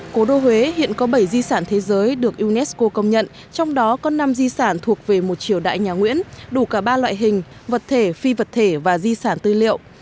cố đô huế hiện có bảy di sản thế giới được unesco công nhận trong đó có năm di sản thuộc về một triều đại nhà nguyễn đủ cả ba loại hình vật thể phi vật thể và di sản tư liệu